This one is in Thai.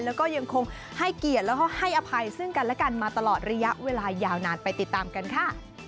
แล้วก็ยังคงให้เกียรติแล้วก็ให้อภัยซึ่งกันและกันมาตลอดระยะเวลายาวนานไปติดตามกันค่ะ